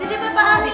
dadah beb pak amir